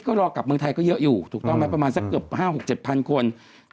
ก็รอกลับเมืองไทยก็เยอะอยู่ถูกต้องไหมประมาณสักเกือบ๕๖๗๐๐คน